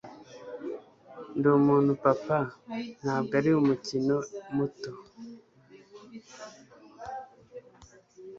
ndi umuntu papa ntabwo ari umukino muto